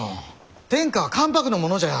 天下は関白のものじゃ。